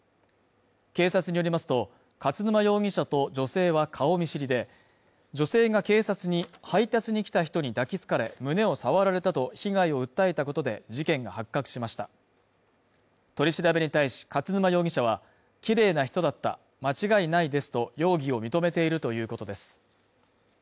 警察によりますと勝沼容疑者と女性は顔見知りで女性が警察に配達に来た人に抱きつかれ胸を触られたと被害を訴えたことで事件が発覚しました取り調べに対し勝沼容疑者はきれいな人だった、間違いないですと容疑を認めているということです